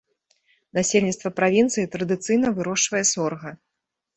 Насельніцтва правінцыі традыцыйна вырошчвае сорга.